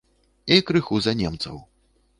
І крыху за немцаў.